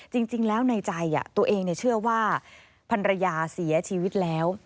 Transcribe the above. จริงแล้วในใจตัวเองเชื่อว่าพันรยาเสียชีวิตแล้ว